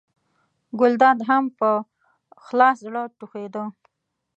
ګلداد هم ښه په خلاص زړه ټوخېده.